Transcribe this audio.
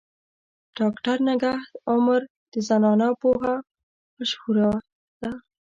ډاکټر نگهت عمر د زنانو پوهه مشهوره ده.